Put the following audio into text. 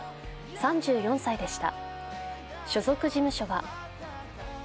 ３４歳でした。